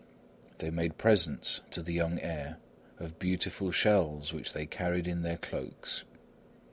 They made presents to the young heir of beautiful shells, which they carried in their cloaks.